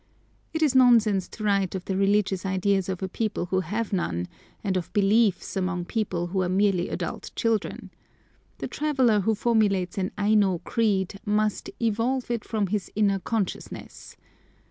It is nonsense to write of the religious ideas of a people who have none, and of beliefs among people who are merely adult children. The traveller who formulates an Aino creed must "evolve it from his inner consciousness."